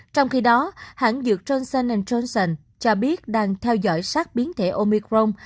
trong khi đó hãng dược trhcn johnson cho biết đang theo dõi sát biến thể omicron